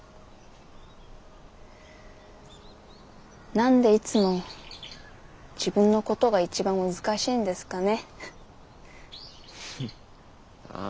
何でいつも自分のことが一番難しいんですかね。